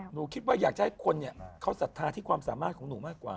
หนูคิดว่าอยากจะให้คนเขาศรัทธาที่ความสามารถของหนูมากกว่า